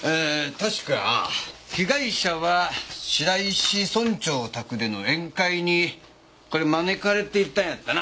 確か被害者は白石村長宅での宴会にこれ招かれていたんやったな？